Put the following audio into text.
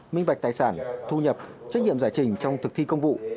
minh bạch tài sản thu nhập trách nhiệm giải trình trong thực thi công vụ